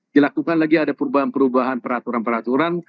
dilakukan lagi ada perubahan perubahan peraturan peraturan